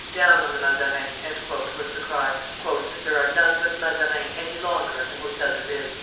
"Down on the Mazarins!" was the cry; "there are none but Mazarins any longer at the Hotel de Ville!"